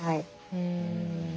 うん。